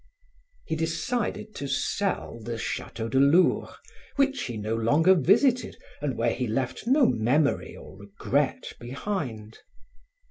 He decided to sell the Chateau de Lourps, which he no longer visited and where he left no memory or regret behind.